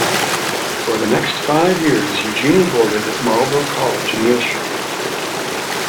For the next five years, Eugenie boarded at Marlborough College in Wiltshire.